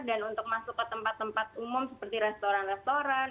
dan untuk masuk ke tempat tempat umum seperti restoran restoran